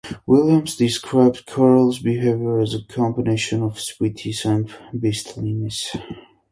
Williams described Carroll's behavior as a combination of "sweetness" and "beastliness".